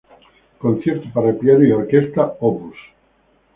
Concierto para piano y orquesta, op.